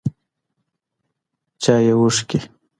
چایې اوښکي